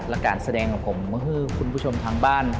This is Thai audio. และการแสดงของผมก็คือคุณผู้ชมทางบ้าน